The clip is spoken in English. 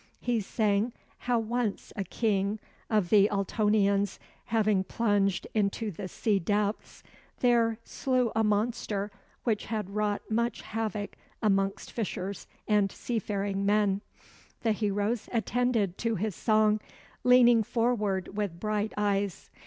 He sang how once a king of the Ultonians, having plunged into the sea depths, there slew a monster which had wrought much havoc amongst fishers and seafaring men. The heroes attended to his song, leaning forward with bright eyes.